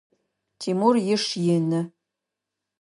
Тимур иш ины.